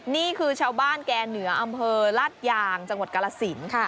นี่คือชาวบ้านแก่เหนืออำเภอลาดยางจังหวัดกาลสิน